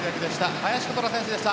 林琴奈選手でした。